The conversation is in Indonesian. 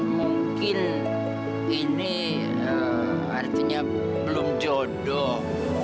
mungkin ini artinya belum jodoh